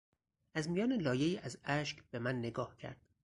از میان لایهای از اشک به من نگاه کرد.